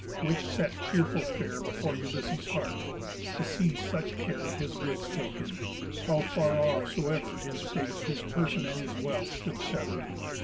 Which set cheerful fare Before Ulysses' heart, to see such care Of his goods taken, how far off soever His fate his person and his wealth should sever.